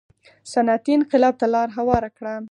صنعتي انقلاب ته لار هواره کړه.